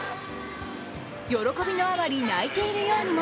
喜びのあまり泣いているようにも。